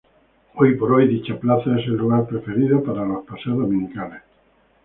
Hoy por hoy dicha plaza, es el lugar preferido para los paseos dominicales.